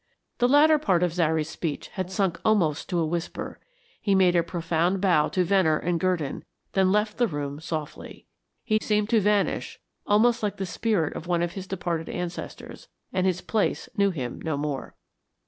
The latter part of Zary's speech had sunk almost to a whisper; he made a profound bow to Venner and Gurdon, then left the room softly. He seemed to vanish almost like the spirit of one of his departed ancestors, and his place knew him no more.